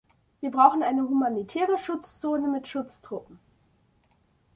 Wir brauchen eine humanitäre Schutzzone mit Schutztruppen.